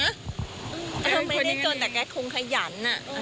ไม่ได้จนแต่ก็คงขยัน